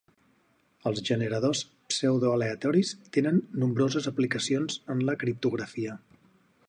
Els generadors pseudoaleatoris tenen nombroses aplicacions en la criptografia.